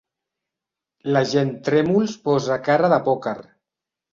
L'agent Trèmols posa cara de pòquer.